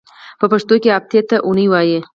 په پښتو کې هفتې ته اونۍ وایی.